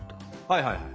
はいはいはい。